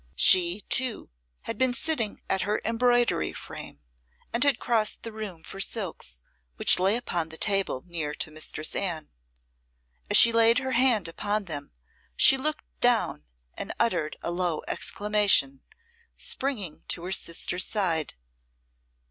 She, too, had been sitting at her embroidery frame, and had crossed the room for silks, which lay upon the table near to Mistress Anne. As she laid her hand upon them she looked down and uttered a low exclamation, springing to her sister's side.